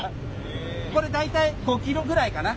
これ大体５キロぐらいかな。